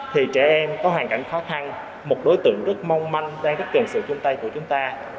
thì trẻ em có hoàn cảnh khó khăn một đối tượng rất mong manh đang rất cần sự chung tay của chúng ta